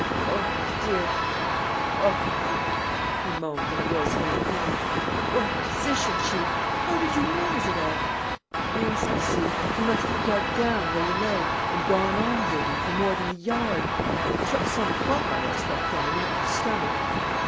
"Oh, dear, oh dear!" he moaned, in a voice full of pity. "What a position, Chief! How did you manage it all? Yes, I see: you must have dug down, where you lay, and gone on digging for more than a yard! And it took some pluck, I expect, on an empty stomach!"